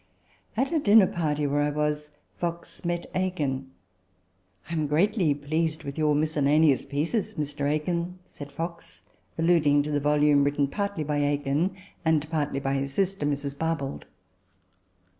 At a dinner party, where I was, Fox met Aikin. " I am greatly pleased with your ' Miscellaneous Pieces,' Mr. Aikin," said Fox (alluding to the volume written partly by Aikin, and partly by his sister Mrs. Barbauld).